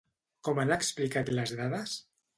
Com han explicat les dades?